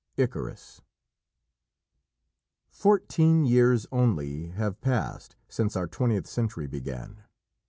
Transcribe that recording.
ICARUS Fourteen years only have passed since our twentieth century began.